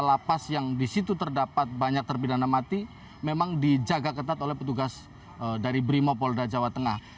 lapas yang disitu terdapat banyak terpidana mati memang dijaga ketat oleh petugas dari brimopolda jawa tengah